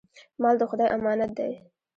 مال د خدای امانت دی.